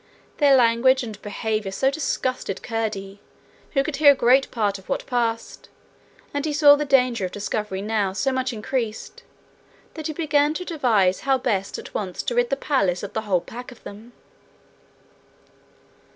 Their language and behaviour so disgusted Curdie, who could hear a great part of what passed, and he saw the danger of discovery now so much increased, that he began to devise how best at once to rid the palace of the whole pack of them.